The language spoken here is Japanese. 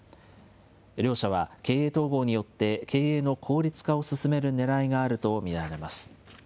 両社は経営統合によって、経営の効率化を進めるねらいがあると見られます。